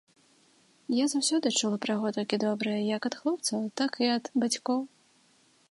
Я заўсёды чула пра яго толькі добрае як ад хлопцаў, так і ад бацькоў.